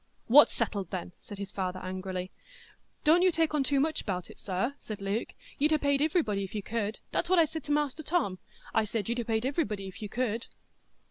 "What's settled, then?" said his father, angrily. "Don't you take on too much bout it, sir," said Luke. "You'd ha' paid iverybody if you could,—that's what I said to Master Tom,—I said you'd ha' paid iverybody if you could."